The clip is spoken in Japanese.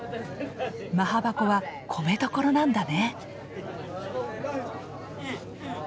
マハバコは米どころなんだね。